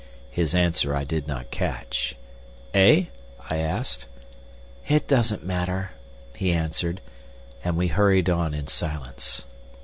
His answer I did not catch. "Eh?" I asked. "It doesn't matter," he answered, and we hurried on in silence.